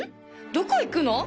どこ行くの？